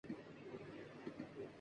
لیکن اب یہ مسئلہ بھی حل ہوگی